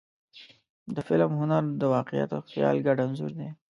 د فلم هنر د واقعیت او خیال ګډ انځور دی.